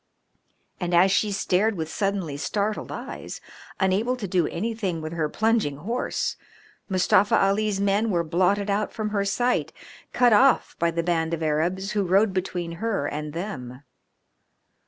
And as she stared with suddenly startled eyes, unable to do anything with her plunging horse, Mustafa Ali's men were blotted out from her sight, cut off by a band of Arabs who rode between her and them.